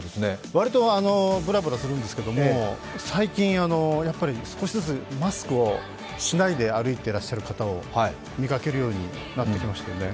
割とブラブラするんですけれども最近、少しずつマスクをしないで歩いていらっしゃる方を見かけるようになってきましたよね。